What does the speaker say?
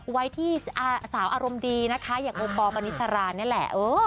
ไว้ที่สาวอารมณ์ดีนะคะอย่างโอปอลปณิสรานี่แหละ